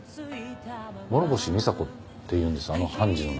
諸星美沙子っていうんですあの判事の名前。